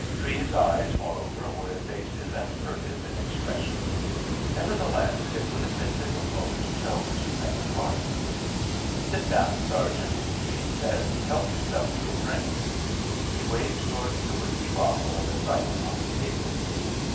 Treves's eyes, moreover, were evasive and furtive in expression. Nevertheless, it would have been difficult to tell the two men apart. "Sit down, Sergeant," Treves said. "Help yourself to a drink." He waved towards the whisky bottle and a siphon on the table.